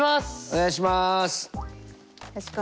お願いします。